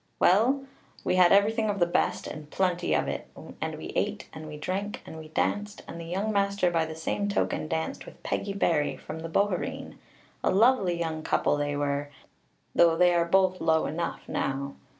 "Well, we had everything of the best, and plenty of it; and we ate, and we drank, and we danced, and the young master by the same token danced with Peggy Barry, from the Bohereen a lovely young couple they were, though they are both low enough now.